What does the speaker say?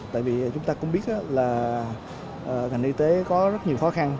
tại vì chúng ta cũng biết là ngành y tế có rất nhiều khó khăn